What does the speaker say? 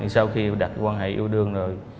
sau khi đặt quan hệ yêu đương rồi